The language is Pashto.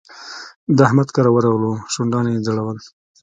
د احمد کره ورغلو؛ شونډان يې ځړول.